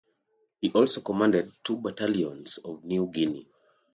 He also commanded two battalions on New Guinea.